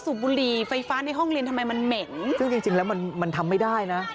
บุหรี่ไฟฟ้าในห้องเรียนทำไมมันเหม็นซึ่งจริงจริงแล้วมันมันทำไม่ได้นะ